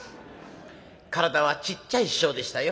体はちっちゃい師匠でしたよ